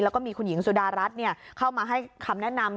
แล้วก็มีคุณหญิงสุดารัฐเข้ามาให้คำแนะนำ